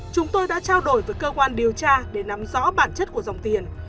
chúng tôi đã trao đổi với cơ quan điều tra để nắm rõ bản chất của dòng tiền